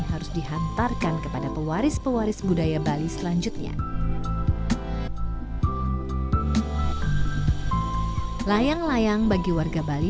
harus dihantarkan kepada pewaris pewaris budaya bali selanjutnya layang layang bagi warga bali